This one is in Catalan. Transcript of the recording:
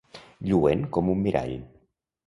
Lluent com un mirall.